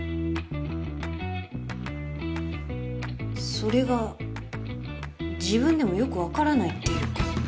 それが自分でもよくわからないっていうか。